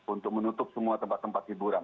untuk menutup semua tempat tempat hiburan